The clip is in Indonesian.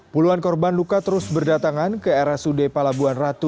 puluhan korban luka terus berdatangan ke rsud palabuhan ratu